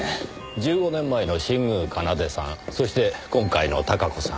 １５年前の新宮奏さんそして今回の孝子さん。